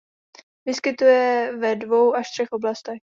Vyskytuje ve dvou až třech oblastech.